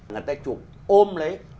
người ta chụp ôm lấy